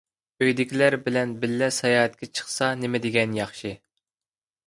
ئۆيدىكىلەر بىلەن بىللە ساياھەتكە چىقسا نېمىدېگەن ياخشى!